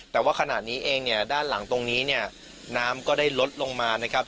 แต่ว่าขณะนี้เองเนี่ยด้านหลังตรงนี้เนี่ยน้ำก็ได้ลดลงมานะครับ